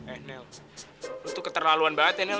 eh nel kamu tuh keterlaluan banget nel